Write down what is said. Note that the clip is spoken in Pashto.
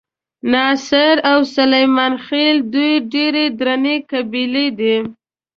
ناصر او سلیمان خېل دوې ډېرې درنې قبیلې دي.